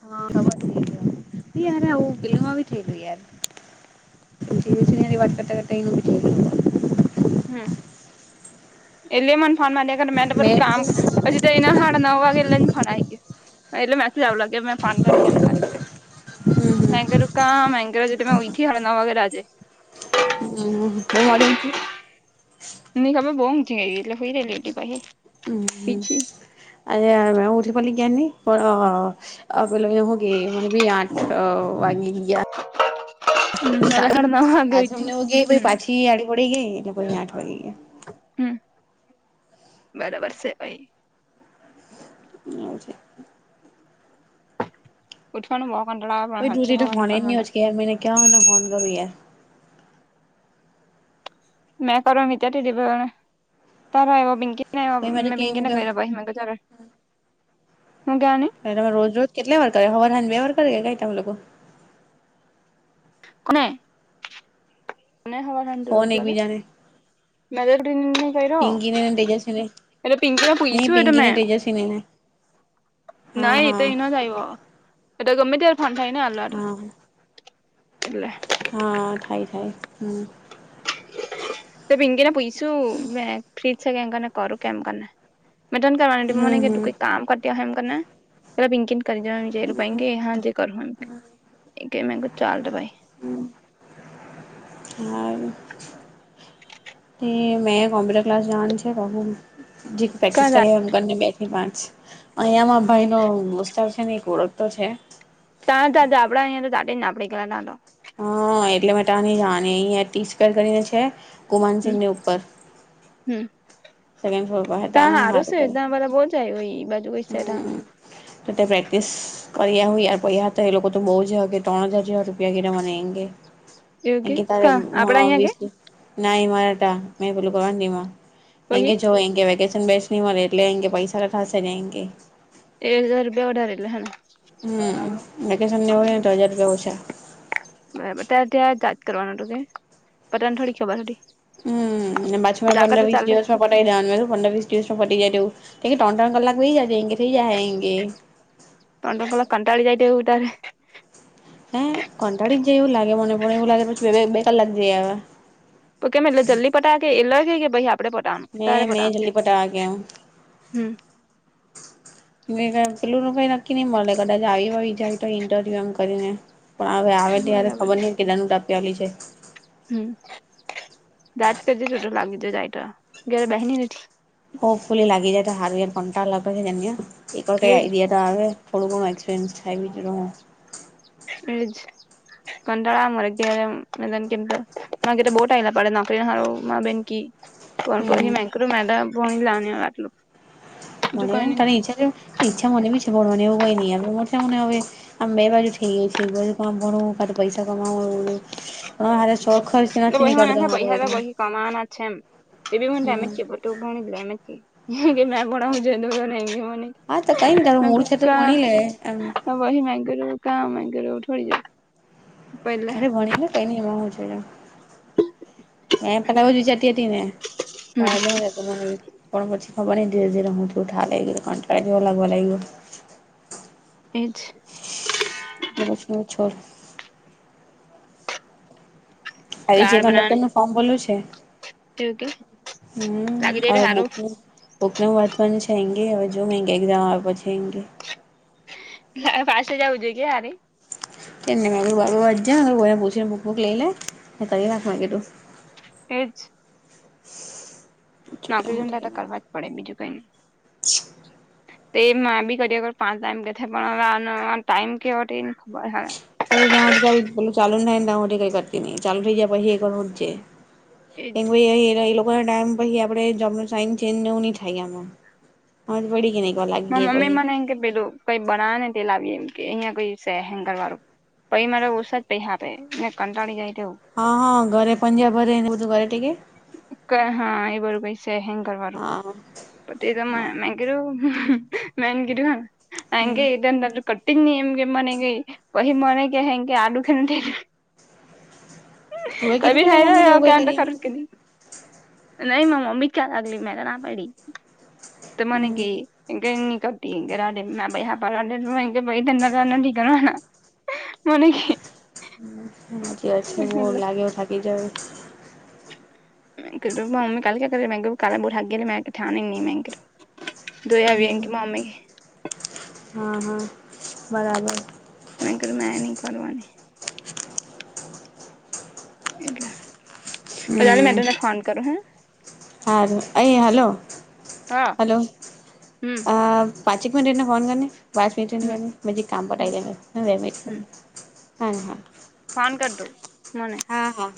હા ખબર થ ગ યાર આવું ફિલ્મ બી થયલું યાર જ વા વિ હમ એલે મને ફણ માર્યા કર મેં તો બરફ કામ હજી તો એના હાડ ન વા કે એલા ન ફાન આઈ ગયા એટલે મેથી જ આવું લાગે મે પાન કરડ કેમ કરીને મગર ક મગેરા જે થી હળના વગેરેજે હમ બ મર હોથી ની ખબર બઉુઊંઊ ગ એટલે હોઈ રલી એટી પાસે હ હ અ ઉઠી પી કે્ઞની પણગેલો એગ મ બી આઠ વાગી ગ ગયા સાડા સાારી નવ વાગે પાછ ઉઠી હમને એવું ગયા હમ પાછી આડી પડીી ગઈ એટલે કોઈ આઠ વાગી ગયા હમ બરાબર છે ભાઈ હવ છે પઠવાનું બ કો દૂધ તો ફોન નજકેયાર મે ક્યા ફોન કરયા મે કરોમિતથી દ ત આવ બનકી કે ના પહિ મે તો મેબીંગ કેમ કેને કેમ કરી લબ હિમાં ગજર એ તમે રોજ રોજ કેટલા વાર કરે હવા ના બે વાર કરે કઈ તમે લોકો કોને મને હવા ફોન રોજજ્યારે એકબીજાને મે કઈ પિંકીને તેજસ્વીને ર એટ પીંગ નહી પયચું પિંકીને વડમેે તેજસ્વીને હા ના એ તો હા એ ન જ આવ્યો એ તો ગમે તેાર ફાં થાયને એ હા એટલે હા થાય થાય હમ તો પીંકીને પૂછછું મે ફ્રીજ છે કેમ કરીને કરું કેમ કરીને મે તને કરવાની મને હમ કેું કોઈ હમ કામ કરતીતા હ એમને પ બિકીન કરી જ વિચ ર પા કે હાજ કરો એ કે મે કો ચાલ દવાાઈ હમ હ મેં કોમ્પ્યુટર ક્લાસ જવાનું છે જે ક્યાં પ્રેક્ટિસ જા કરી એમને બે પાંચ અિયાંમાં ભાઈ નોાર છે ને એક ઓળખ તો છે તા ત આપડા તો તાને આપડી કલા તાંધો હા એટલે મ ત આની જાને અ ટી સ્પેર કરીને છે હમ કુમાનસિંહને ઉપપર હમ સકન્ડ ફ્લોર પર હટ અ ત્યાં હારું હાાર છે કર ત્યાં પેલા બહુ જાય હોય એ બાજુ કઈ હ છે ત્યાં ત તે પ્રેક્ટસ કરી્યા હું યાર પછયા હતા એ લોકો તો બહુ જગ ત્રણ હજાર હાર રૂપિયા કરવાને એંગે એવું એ કે તારે કા આપડા અહીંયા કે વીસસ ના મારાટા મેં પોલું કરવા દી પહી એંગે જો એ વેકે બેચણી મળરેે એટલે આે પૈસા લઠાશે જંગે એક હજાર રૂપિયાઢારેલા હાલ હમ વેકેશન ને હોયને તો હજાર રૂપિયા ઓછા બરાબર ત્યારે ત્યાં જાત કરવાનું હત કે પ તને થોડી ખબર હતી હતી હમ અને પાછી મેં પંદર વીસ દે દિવસ માં પટી દવા પંદર વીસ ટ્યુ પટી જાયવું કે ત્રણ ત્રણ કલાક વ જજ એ થઈ જાય એે તટો સોલા કંટાળી જાય ત્યારે હે કંટાળી જાય એવું લાગે મને પણે એવું લાગે પછી બે ક લક જાય હવે તો કેમ એટલે જલ્દી પટા કે એ લ કે ભાઈ આપ કપડે પટાનું તારે મેં પટ મેં જલ્દી પટાવા કે હું હમ પેલું નું કઈ નક્કી નહી મળે કદાચ આવી હો આવી જાય તો ઇન્ટરવ્યુ એમ કરીને પણ હવે આવે ્યારે બરાબર ખબર ન કેટનું ટપ્યાલી છે હમ જાત કરજટો લાગી જો જાય તો ઘરે બહેની નથી હો પ લાગી જાય તો સાા ઘંટા લાગે છે જને એક કર ક એજ આ દ દ આવે હળગ એક્સપીરયન્સ થ આવીટરો એજ કંટાળારે કેમ બોટલા પડે નાકરીમાં બેન ક પણ હમ પણ હ મૈકું મારા ભણી લાવને વાટલું મને ત ચ્છા ઈ્છા મને બ ભણવાનું એવું કઈ નહીં મોટા મોને હવે આમ બે બાજુ થઈ ગઈ છે બાધુ કામ ભણું કા પૈસા કમાવું હ હરે એ પહીસા મ પૈસા તો બહી કમાના છે એમ હમ એમેજ કેમેજ કે મે પડા મુજે દગ ન હા તો કઈ નઈ તારું મૂળ છે તો મનીકા ભણી લે એમ હ વહી મેંગોર કા મેંગરઠડી જાય અરે ભણી ને કઈ નઈ એમાં હ જો એ પલા હજીચારતી હતી ને ત હમ જ મ પણ પછી હ પણ ધીરે ધીરે હુંથી ઉઠા લઈ કંવ લગવા લાગ એજ એટ કશ્નછોળ હ જે દાળ બનાવને નકન નું ફોર્મ બોલ્યું છે એવું કે હમ લાગી જાય તો હવે હારું બક બુક ન વાત્વનું છે એંગે હવે જો એક્ઝામ આવ છે એે પાસે જવું જોઈએ હરે કેને બા વાજજ બને પુછીને બક બુક લઈ લ હતા રાખમાં કે તું એજ જોઈએ હું થઈ નાગરજનનેટ ને કરવા જ પડે બીજું કઈ ન તે મા બી કરી કર પાંચ ટાઈમ કેથે પણ ટમ કે ચ ટમ પછી એજ આપે જોબ ન સા ચેન્જ નવું નહી થ ગયામાં પડી ગ ન મમ્મી મને એમ કે પેધું કઈ બનાવે ને તે લાવીએમ કે અહિયાં કોઈ સ હેન્ંગર વાળું પૈ મારે ઓછ જ પૈસા આપે ને કંટાળી જાય તેવું હા હા ઘરે પંજાબરે એને બ તું ઘરે ટિક ક હા એ બરું પૈસા હંગ કરવાનુંું હા એ તો મે હા એન કીધું ને એ એમ કે હમ એ તન નતું કટિંગ ની એમ કે મને ગઈ પહી મને કે હે કે આડું કે થું તું એ ક કીધું કે તારી મમ્મી ને [unintelligible] એવું કઈ કરી એમ થા કરી નહી માર મમ્મી ક્યાં લાગલી મેતો ના પાયડી તો મનેકી હમ ઈ એ એની કટી ડે મે બે હાપે ભ તના કરના કના મને [unintelligible] જ છે બ મેં લાગે ઓ થકી જ મમી કાલ ક્યા કરે કા બુર હા ગે મે ઠ નની મે કર દ હા વએન કા અમે હ હ બરા. મગર મે ન કરવાની એટલે [unintelligible] મે તને ફોન કરે હ. હા અહીં હલો હા હલો હમ અ પાંચક મિને રઈને ફોન કરને પાંચ મિન્ટ રયની હમ કરની મે જરીક કામ હમ પટાય દેહે ની વાર હમ લાગે હા હા. ફોન કડતું મને હા હા